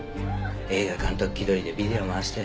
映画監督気取りでビデオ回して。